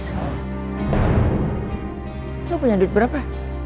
hai lo punya duit berapa